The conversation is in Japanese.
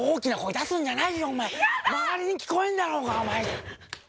周りに聞こえんだろうが！